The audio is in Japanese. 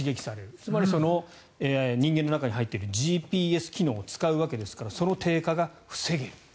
つまり、人間の中に入っているＧＰＳ機能を使うわけですからなるほど。